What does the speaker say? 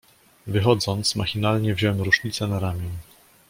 "Wychodząc, machinalnie wziąłem rusznicę na ramię."